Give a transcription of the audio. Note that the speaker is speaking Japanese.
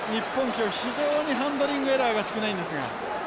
今日非常にハンドリングエラーが少ないんですが。